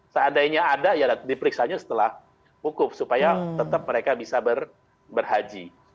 seandainya ada ya diperiksanya setelah wukuf supaya tetap mereka bisa berhaji